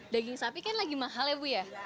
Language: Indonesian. daging sapi kan lagi mahal ya bu ya